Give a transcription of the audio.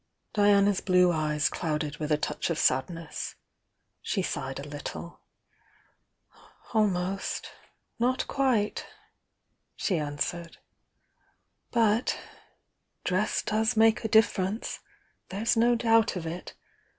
7 08 THE VOUXG DIANA Diana's blue eyes clouded with a touch of sadness. She sighed a little. "Almost!— not quite!" she answered. "But^ 'dress does make a difference!' — there's no doubt of it!